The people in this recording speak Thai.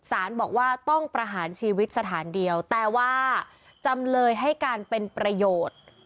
สารบอกว่าต้องประหารชีวิตสถานเดียวแต่ว่าจำเลยให้การเป็นประโยชน์